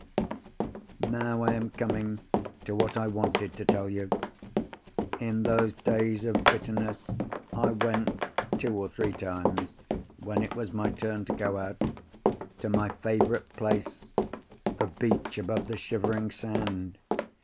"Now I am coming to what I wanted to tell you. In those days of bitterness, I went two or three times, when it was my turn to go out, to my favourite place—the beach above the Shivering Sand.